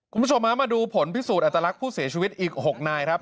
คุณผู้ชมฮะมาดูผลพิสูจนอัตลักษณ์ผู้เสียชีวิตอีก๖นายครับ